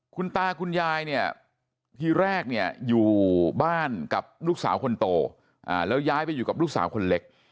คุณตาคุณยายเนี่ยทีแรกเนี่ยอยู่บ้านกับลูกสาวคนโตแล้วย้ายไปอยู่กับลูกสาวคนเล็ก